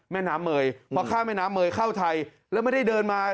แม่น้ำเมยพอข้ามแม่น้ำเมยเข้าไทยแล้วไม่ได้เดินมา